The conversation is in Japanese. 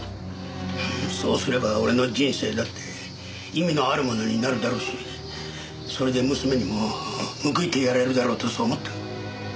そうすれば俺の人生だって意味のあるものになるだろうしそれで娘にも報いてやれるだろうとそう思った。